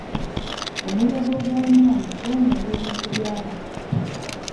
Omuyaga ogw'amaanyi gwonoona ebintu by'abantu.